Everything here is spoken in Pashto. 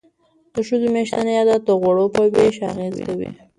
د ښځو میاشتنی عادت د غوړو په ویش اغیز کوي.